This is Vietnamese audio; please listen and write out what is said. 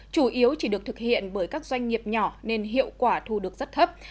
chủ yếu chỉ được thực hiện bởi các doanh nghiệp nhỏ nên hiệu quả thu được rất thấp